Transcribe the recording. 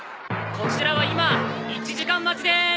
こちらは今１時間待ちでーす！